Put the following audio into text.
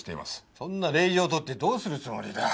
そんな令状を取ってどうするつもりだ？